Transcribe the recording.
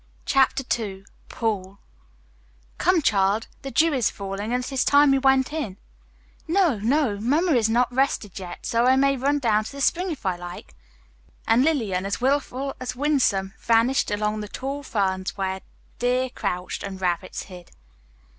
Chapter II PAUL "Come, child, the dew is falling, and it is time we went in." "No, no, Mamma is not rested yet, so I may run down to the spring if I like." And Lillian, as willful as winsome, vanished among the tall ferns where deer couched and rabbits hid.